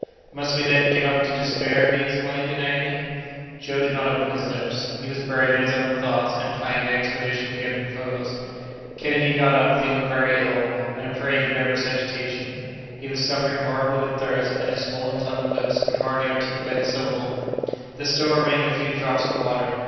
"Must we, then, give up to despair?" he exclaimed, in agony. Joe did not open his lips. He was buried in his own thoughts, and planning the expedition he had proposed. Kennedy got up, feeling very ill, and a prey to nervous agitation. He was suffering horribly with thirst, and his swollen tongue and lips could hardly articulate a syllable. There still remained a few drops of water.